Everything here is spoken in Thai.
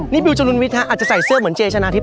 นี่บิวจรุนวิทย์อาจจะใส่เสื้อเหมือนเจชนะทิพ